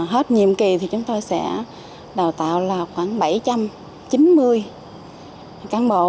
hết nhiệm kỳ thì chúng tôi sẽ đào tạo là khoảng bảy trăm chín mươi cán bộ